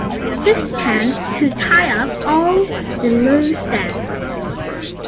This tends to tie up all the loose ends.